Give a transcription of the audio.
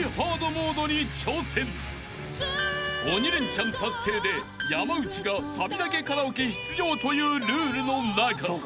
［鬼レンチャン達成で山内がサビだけカラオケ出場というルールの中］